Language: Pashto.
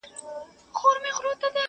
لا خو زما او د قاضي یوشان رتبه ده،